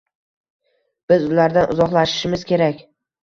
Biz ulardan uzoqlashishimiz kerak